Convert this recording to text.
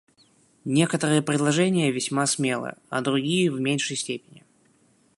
Некоторые предложения весьма смелы, а другие — в меньшей степени.